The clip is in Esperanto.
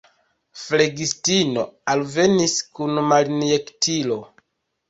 Flegistino alvenis kun malinjektilo.